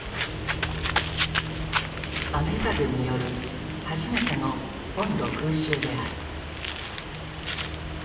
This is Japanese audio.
アメリカ軍による初めての本土空襲である。